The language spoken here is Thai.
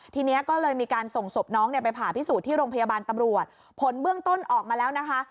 ทีนี้ก็เลยมีการส่งศพน้องเนี่ยไปผ่าพิสูจน์ที่โรงพยาบาลตำรวจผลเบื้องต้นออกมาแล้วนะคะ